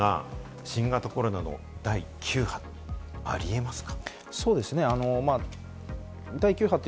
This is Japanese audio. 今後なんですが、新型コロナの第９波、あり得ますか？